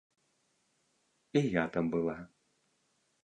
І я там была.